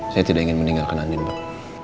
saya tidak ingin meninggalkan anjing pak